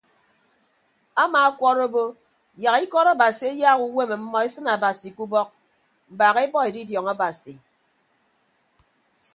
Amaakwọọrọ obo nọ ikọt abasi eyaak uwem ọmmọ esịn abasi ke ubọk mbaak ebọ edidiọñ abasi.